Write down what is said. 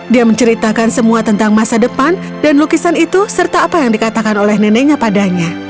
dia menceritakan semua tentang masa depan dan lukisan itu serta apa yang dikatakan oleh neneknya padanya